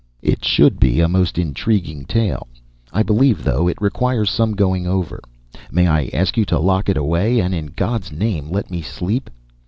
"It should be a most intriguing tale, I believe, though it requires some going over. May I ask you to lock it away, and in God's name let me sleep?"